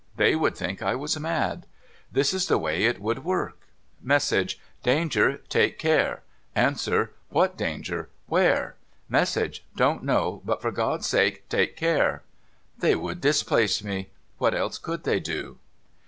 They would think I was mad. This is the way it would work,— Message :" Danger ! Take care !" Answer :" ^Vhat Danger ? Where ?" Message :" Don't know. But, for God's sake, take care !" They would dis place me. What else could they do